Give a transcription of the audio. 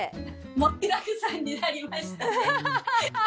盛りだくさんになりましたね。